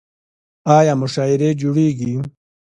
آیا مشاعرې جوړیږي؟